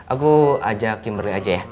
aku ajak kimry aja ya